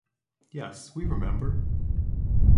Yes, we remember.